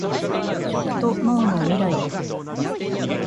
食と農のミライ